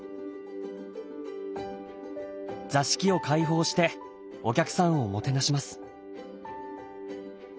座敷を開放してお客さんをもてなします。